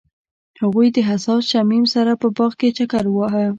هغوی د حساس شمیم سره په باغ کې چکر وواهه.